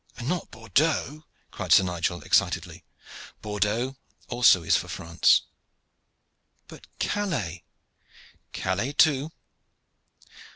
"But not Bordeaux?" cried Sir Nigel excitedly. "Bordeaux also is for France." "But Calais?" "Calais too."